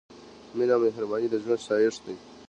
مينه او مهرباني د ژوند ښايست دی